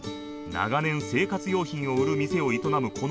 長年生活用品を売る店を営む